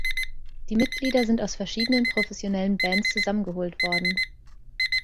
Die Mitglieder sind aus verschiedenen professionellen Bands zusammengeholt worden.